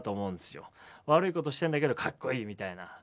悪いことしてるんだけどかっこいいみたいな。